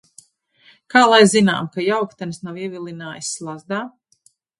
Kā lai zinām, ka jauktenis nav ievilinājis slazdā?